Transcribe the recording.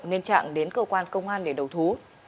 nên trạng đến cơ quan công an để đầu thú